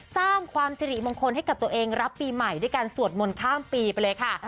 สร้างความสิริมงคลให้กับตัวเองรับปีใหม่ด้วยการสวดมนต์ข้ามปีไปเลยค่ะ